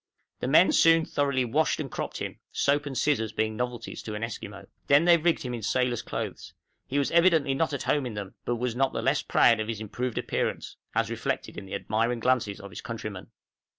The men soon thoroughly washed and cropped him: soap and scissors being novelties to an Esquimaux: they then rigged him in sailor's clothes; he was evidently not at home in them, but was not the less proud of his improved appearance, as reflected in the admiring glances of his countrymen.